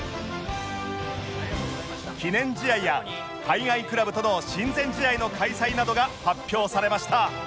記念試合や海外クラブとの親善試合の開催などが発表されました